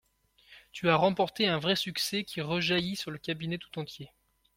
Tu as remporté un vrai succès qui rejaillit sur le cabinet tout entier.